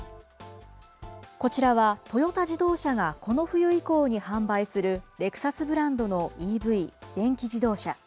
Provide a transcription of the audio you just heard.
こちらはトヨタ自動車が、この冬以降に販売するレクサスブランドのＥＶ・電気自動車。